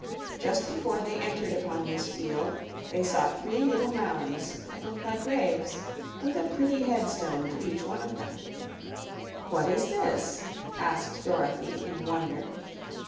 Just before they entered upon this field they saw three little mounds that looked like graves, with a pretty headstone to each one of them. "What is this?" asked Dorothy, in wonder.